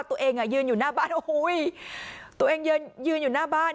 ตัวเองยืนอยู่หน้าบ้านโอ้โหตัวเองยืนอยู่หน้าบ้าน